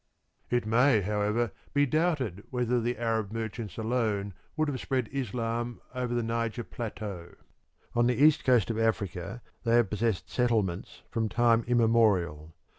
It may, however, be doubted whether the Arab merchants alone would have spread Islam over the Niger plateau. On the east coast of Africa they have possessed settlements from time immemorial.